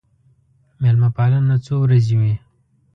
مېلمه پالنه څو ورځې وي.